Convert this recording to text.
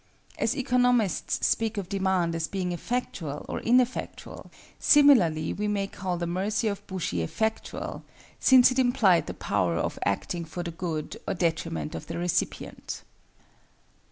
As economists speak of demand as being effectual or ineffectual, similarly we may call the mercy of bushi effectual, since it implied the power of acting for the good or detriment of the recipient.